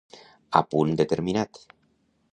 A punt determinat.